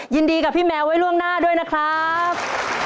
ยินดีกับพี่แมวไว้ล่วงหน้าด้วยนะครับ